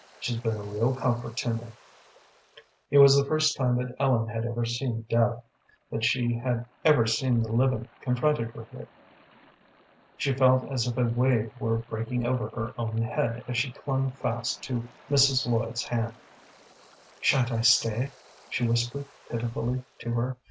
She's been a real comfort to me." It was the first time that Ellen had ever seen death, that she had ever seen the living confronted with it. She felt as if a wave were breaking over her own head as she clung fast to Mrs. Lloyd's hand. "Sha'n't I stay?" she whispered, pitifully, to her.